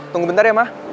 tunggu bentar ya ma